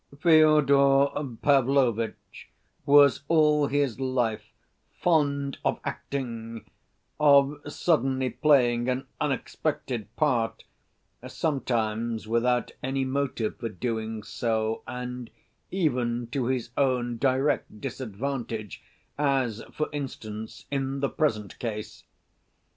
Fyodor Pavlovitch was all his life fond of acting, of suddenly playing an unexpected part, sometimes without any motive for doing so, and even to his own direct disadvantage, as, for instance, in the present case.